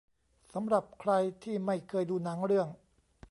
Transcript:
สำหรับใครที่ไม่เคยดูหนังเรื่อง